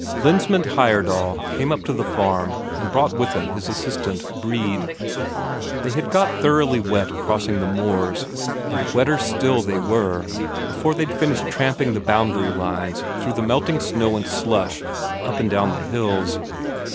Lensmand Heyerdahl came up to the farm, and brought with him his assistant, Brede. They had got thoroughly wet crossing the moors, and wetter still they were before they'd finished tramping the boundary lines through melting snow and slush up and down the hills.